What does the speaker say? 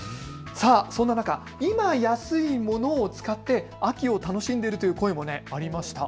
そんな中、今安いものを使って秋を楽しんでいるという声もありました。